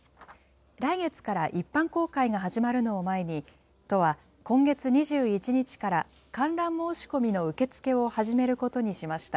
来月から一般公開が始まるのを前に、都は、今月２１日から観覧申し込みの受け付けを始めることにしました。